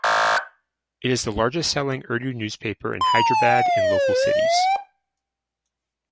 It is the largest selling Urdu newspaper in Hyderabad and local Cities.